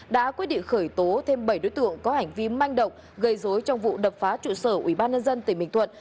đã quyết định khởi tố thêm bảy đối tượng có hành vi manh động gây dối trong vụ đập phá trụ sở ubnd tỉnh bình thuận